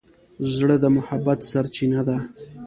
زړه د محبت سرچینه ده.